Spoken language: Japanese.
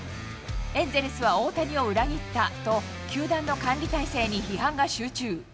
エンゼルスは大谷を裏切ったと、球団の管理体制に批判が集中。